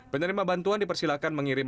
penerima bantuan dipersilakan mengirim